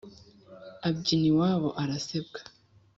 Ubyina iwabo arasebwa.